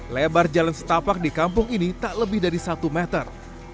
lebar jalan setapak di kampung ini tak lebih dari satu meter